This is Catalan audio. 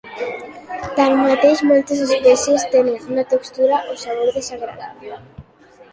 Tanmateix, moltes espècies tenen una textura o sabor desagradable.